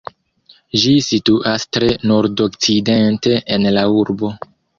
Ĝi situas tre nordokcidente en la urbo.